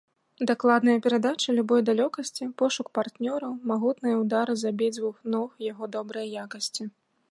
Дакладныя перадачы любой далёкасці, пошук партнёраў, магутныя ўдары з абедзвюх ног яго добрыя якасці.